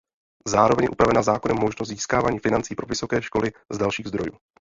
Zároveň je upravena zákonem možnost získávání financí pro vysoké školy z dalších zdrojů.